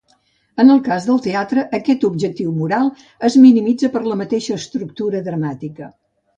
En el cas del teatre, aquest objectiu moral es minimitza per la mateixa estructura dramàtica.